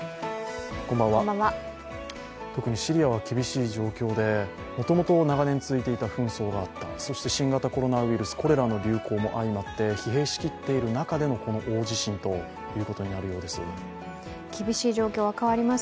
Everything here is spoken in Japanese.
特にシリアは厳しい状況でもともと長年続いていた紛争があったそして新型コロナウイルス、コレラの流行もあって疲弊しきっている中でのこの大地震となっています。